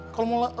kalau mau lak